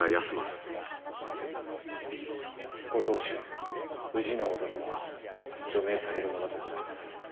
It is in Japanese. ご当主氏直殿は助命されるものと存じまする。